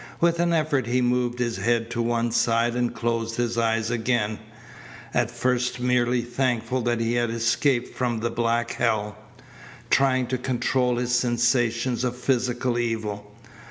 With an effort he moved his head to one side and closed his eyes again, at first merely thankful that he had escaped from the black hell, trying to control his sensations of physical evil.